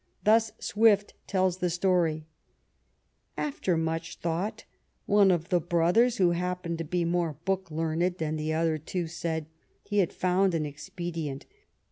Thus Swift tells the story :" After much thought, one of the brothers, who hap pened to be more book learned than the other two, said, he had found an expedient.